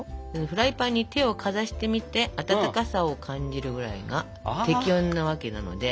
フライパンに手をかざしてみて温かさを感じるぐらいが適温なわけなので。